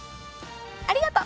ありがとう！